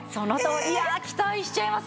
いや期待しちゃいますね。